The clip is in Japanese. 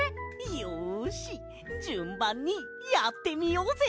じゅんばんにやってみようぜ！